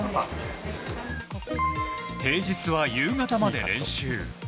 平日は夕方まで練習。